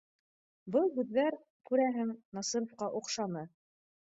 Был һүҙҙәр, күрәһең, Насировҡа оҡшаны